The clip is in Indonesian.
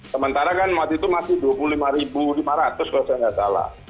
sementara kan waktu itu masih dua puluh lima lima ratus kalau saya nggak salah